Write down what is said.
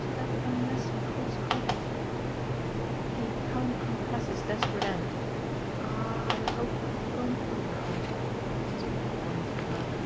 "So that unless he pulls her off " "He can't compass his desperate end? Ah I hope he won't pull her off!" Mrs. Brook wonderfully murmured.